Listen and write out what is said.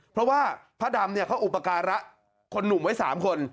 เพราะว่าพระดำเนี่ยเขาอุปการะคนหนุ่มไว้๓คน